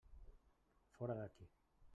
Fora d'aquí!